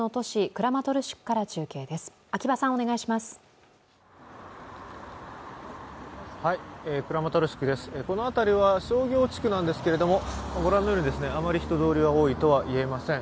クラマトルシクです、この辺りは商業地区なんですけれどもご覧のようにあまり人通りが多いとはいえません。